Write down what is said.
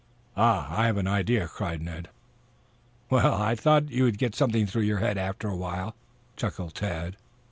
"Ah! I have an idea," cried Ned. "I thought you would get something through your head after a while," chuckled Tad.